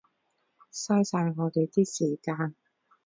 嘥晒我哋啲時間